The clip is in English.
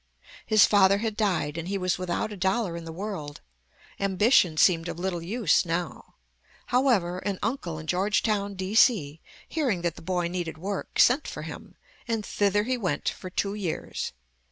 His father had died, and he was without a dollar in the world. Ambition seemed of little use now. However, an uncle in Georgetown, D.C., hearing that the boy needed work, sent for him, and thither he went for two years.